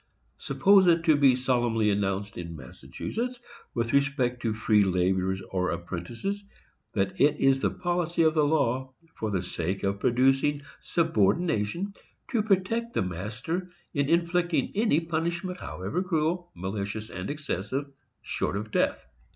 Suppose it to be solemnly announced in Massachusetts, with respect to free laborers or apprentices, that it is the policy of the law, for the sake of producing subordination, to protect the master in inflicting any punishment, however cruel, malicious and excessive, short of death.